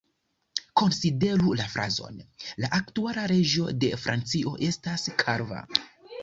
Konsideru la frazon "La aktuala reĝo de Francio estas kalva.